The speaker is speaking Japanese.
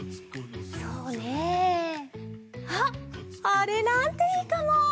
そうねあっあれなんていいかも！